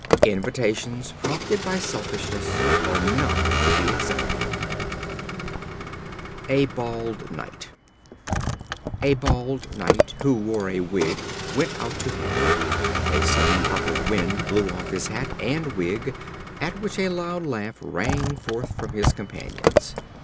Invitations prompted by selfishness are not to be accepted. The Bald Knight. A Bald Knight, who wore a wig, went out to hunt. A sudden puff of wind blew off his hat and wig, at which a loud laugh rang forth from his companions.